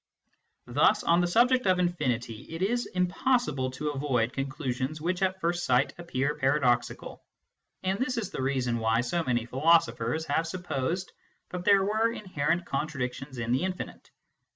Thus on the subject of infinity it is impossible to avoid conclusions which at first sight appear paradoxical, and this is the reason why so many philosophers have supposed that there were inherent contradictions in the infinite.